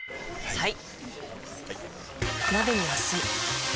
・はい！